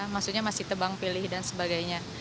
maksudnya masih tebang pilih dan sebagainya